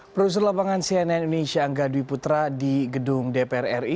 produser lapangan cnn indonesia angga dwi putra di gedung dpr ri